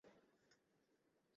তিনি রাজত্ব করেছেন।